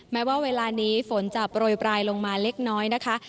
แม้ว่าเวลานี้ฝนจะโปรยปลายลงมาเล็กน้อยนะคะ